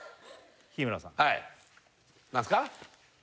日村さんはい何すか？